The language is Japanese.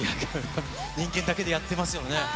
人間だけでやってますよね？